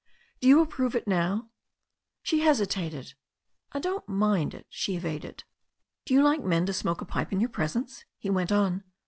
"Do you approve it now?" She hesitated. "I don't mind it," she evaded. "Do you like men to smoke a pipe in your presence?" he went on.